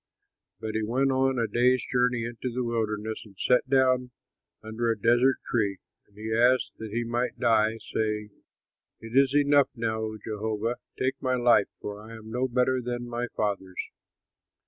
But he went on a day's journey into the wilderness and sat down under a desert tree, and he asked that he might die, saying, "It is enough; now, O Jehovah, take my life, for I am no better than my fathers."